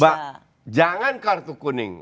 bahwa jangan kartu kuning